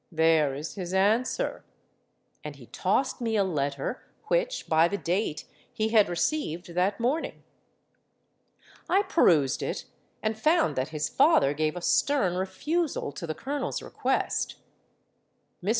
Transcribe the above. There is his answer:'—and he tossed me a letter which, by the date, he had received that morning. I perused it, and found that his father gave a stern refusal to the colonel's request. Mr.